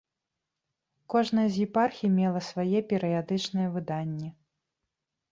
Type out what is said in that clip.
Кожная з епархій мела свае перыядычныя выданні.